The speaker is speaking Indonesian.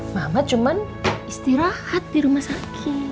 mama cuma istirahat di rumah sakit